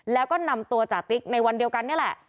แล้วก็นำตัวจติ๊กในวันเดียวกันนี่แหละ